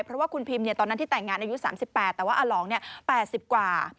เพราะว่าคุณพิมตอนนั้นที่แต่งงานอายุ๓๘แต่ว่าอาหลอง๘๐กว่า